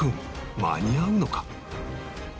間に合うのか？